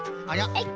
えい！